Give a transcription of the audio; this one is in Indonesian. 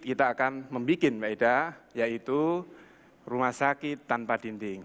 kita akan membuat maeda yaitu rumah sakit tanpa dinding